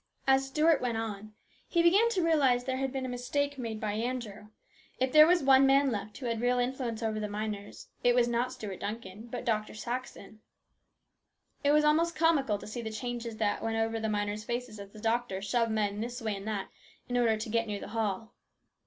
As Stuart went on, he began to realise that there had been a mistake made by Andrew. If there was one man left who had real influence over the miners, it was not Stuart Duncan, but Dr. Saxon. It was almost comical to see the changes that went over the miners' faces as the doctor shoved men this way and that in order to get near the hall.